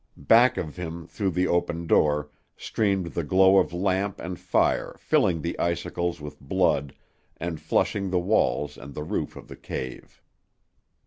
Back of him through the open door streamed the glow of lamp and fire filling the icicles with blood and flushing the walls and the roof of the cave.